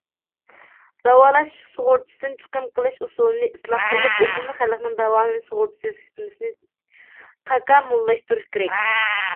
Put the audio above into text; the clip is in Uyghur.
داۋالاش سۇغۇرتىسىدىن چىقىم قىلىش ئۇسۇلىنى ئىسلاھ قىلىپ، ئومۇمىي خەلقنىڭ داۋالىنىش سۇغۇرتىسى سىستېمىسىنى تاكامۇللاشتۇرۇش كېرەك.